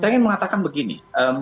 saya ingin mengatakan begini